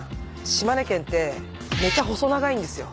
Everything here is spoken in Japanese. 島根県ってめちゃ細長いんですよ。